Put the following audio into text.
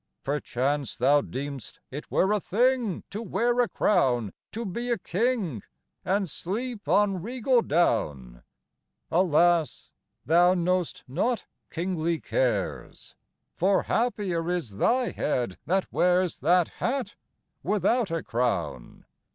XVI. Perchance thou deem'st it were a thing To wear a crown, to be a king! And sleep on regal down! Alas! thou know'st not kingly cares; For happier is thy head that wears That hat without a crown!